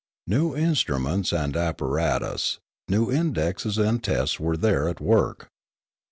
New instruments and apparatus, new indexes and tests were there at work.